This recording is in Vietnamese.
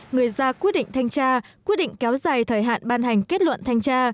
người ra quyết định thanh tra quyết định kéo dài thời hạn ban hành kết luận thanh tra